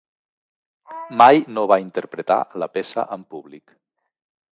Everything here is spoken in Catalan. Mai no va interpretar la peça en públic.